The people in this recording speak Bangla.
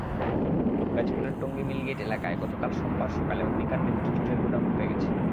গাজীপুরের টঙ্গী মিলগেইট এলাকায় গতকাল সোমবার সকালে অগ্নিকাণ্ডে দুটি ঝুটের গুদাম পুড়ে গেছে।